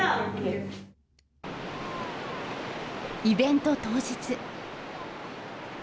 イベント当日。